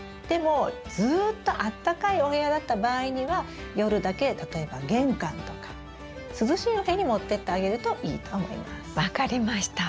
でもずっとあったかいお部屋だった場合には夜だけ例えば玄関とか涼しいお部屋に持っていってあげるといいと思います。